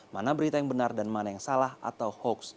mana berita yang benar dan mana yang salah atau hoax